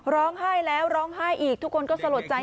ร้องไห้แล้วร้องไห้อีกทุกคนก็สลดใจ